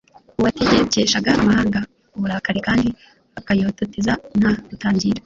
uwategekeshaga amahanga uburakari kandi akayatoteza nta rutangira